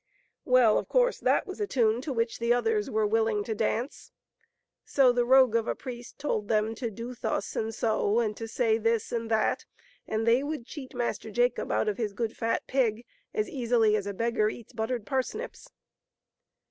Well, of course that was a tune to which the others were willing to l64 MASTER JACOB dance. So the rogue of a priest told them to do thus and so, and to say this and that, and they would cheat Master Jacob out of his good fat pig as easily as a b^gar eats buttered parsnips.